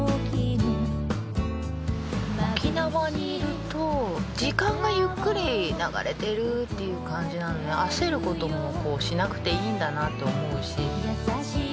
沖縄にいると時間がゆっくり流れてるっていう感じなんで焦ることもしなくていいんだなって思うし。